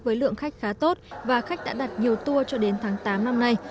với lượng khách khá tốt và khách đã đặt nhiều tour cho đến tháng tám năm nay